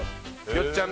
よっちゃん